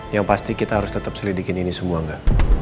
yang pasti kita harus tetep selidikin ini semua nga